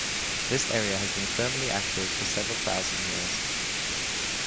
This area has been thermally active for several thousand years.